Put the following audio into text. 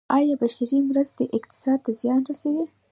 آیا بشري مرستې اقتصاد ته زیان رسوي؟